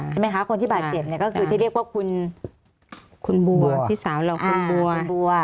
ใช่ไหมคะคนที่บาดเจ็บเนี่ยก็คือที่เรียกว่าคุณบัวพี่สาวเราคุณบัวคุณบัว